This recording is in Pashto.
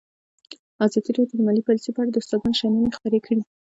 ازادي راډیو د مالي پالیسي په اړه د استادانو شننې خپرې کړي.